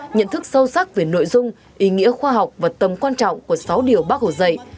nhận thức sâu sắc về nội dung ý nghĩa khoa học và tầm quan trọng của sáu điều bác hồ dạy